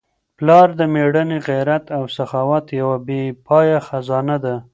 پلار د مېړانې، غیرت او سخاوت یوه بې پایه خزانه ده.